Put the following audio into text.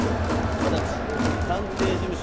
私探偵事務所